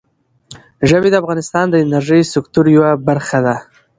ژبې د افغانستان د انرژۍ سکتور یوه برخه ده.